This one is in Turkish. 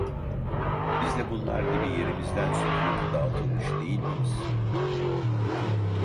Biz de bunlar gibi yerimizden sökülüp dağıtılmış değil miyiz?